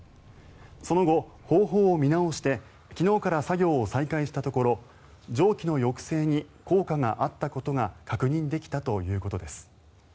その後、方法を見直して昨日から作業を再開したところ蒸気の抑制に効果があったことが確認できたということです。